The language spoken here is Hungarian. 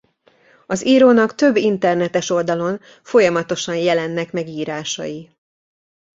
Az írónak több internetes oldalon folyamatosan jelennek meg írásai.